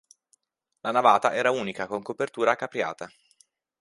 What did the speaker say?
La navata era unica con copertura a capriata.